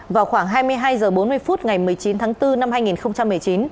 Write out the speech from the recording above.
vào khoảng hai mươi hai h bốn mươi phút ngày một mươi chín tháng bốn năm hai nghìn một mươi chín